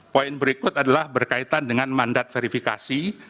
poin berikut adalah berkaitan dengan mandat verifikasi